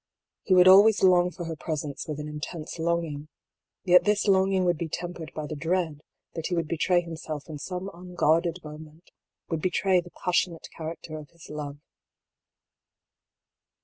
He would always long for her presence with an intense longing : yet this longing would be tempered by the dread that he would betray himself in some unguarded moment, would be tray the passionate character of his love.